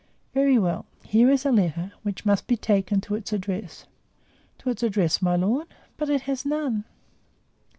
"Very well. Here is a letter, which must be taken to its address." "To its address, my lord? But it has none."